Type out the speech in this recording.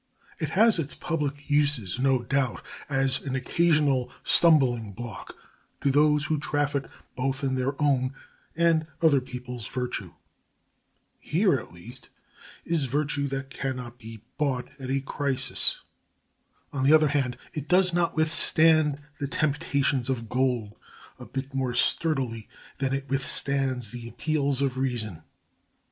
It has its public uses, no doubt, as an occasional stumbling block to those who traffic both in their own and other people's virtue. Here, at least, is virtue that cannot be bought at a crisis. On the other hand, it does not withstand the temptations of gold a bit more sturdily than it withstands the appeals of reason.